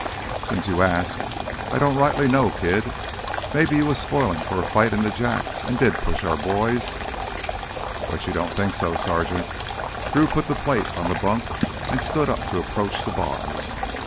"Since you ask, I don't rightly know, kid. Maybe you was spoilin' for a fight in th' Jacks an' did push our boys—" "But you don't think so, Sergeant." Drew put the plate on the bunk and stood up to approach the bars.